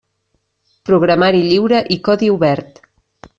Programari lliure i codi obert.